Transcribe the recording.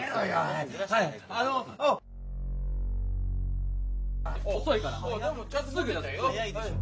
早いでしょ。